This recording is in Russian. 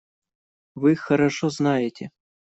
Вы их хорошо знаете.